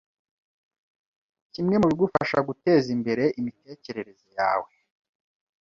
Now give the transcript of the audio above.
kimwe mu bigufasha guteza imbere imitekerereze yawe